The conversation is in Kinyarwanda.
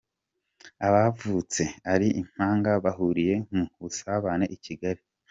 Abavutse ari impanga bahuriye mu busabane i Kigali